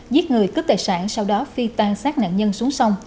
giết người cướp tài sản sau đó phi tan sát nạn nhân xuống sông